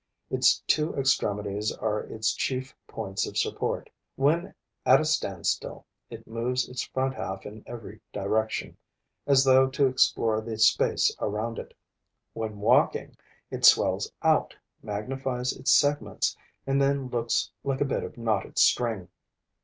Its two extremities are its chief points of support. When at a standstill, it moves its front half in every direction, as though to explore the space around it; when walking, it swells out, magnifies its segments and then looks like a bit of knotted string.